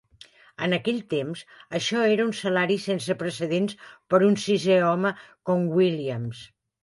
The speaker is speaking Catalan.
En aquell temps, això era un salari sense precedents per un sisè home com Williams.